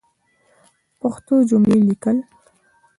پښتو جملی لیکل